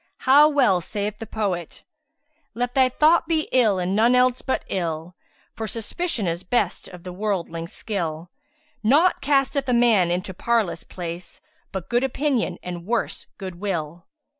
How well saith the poet, 'Let thy thought be ill and none else but ill; * For suspicion is best of the worldling's skill: Naught casteth a man into parlous place * But good opinion and (worse) good will!'